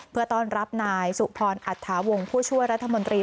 เพื่อต้อนรับนายสุพรอัฐาวงศ์ผู้ช่วยรัฐมนตรี